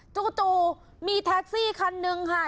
จูกจูกมีทาคซีขันนึงค่ะ